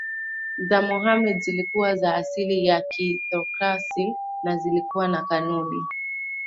za Mohammed zilikuwa za asili ya kitheokrasi na zilikuwa na kanuni